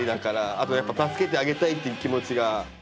あとやっぱ助けてあげたいって気持ちが。